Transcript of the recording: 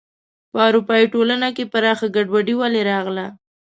په اروپايي ټولنې کې پراخه ګډوډي ولې راغله.